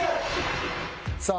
さあ